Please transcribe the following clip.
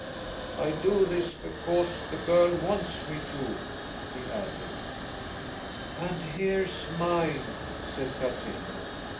"I do this because the girl wants me to," he added. "And here's mine," said Katrina.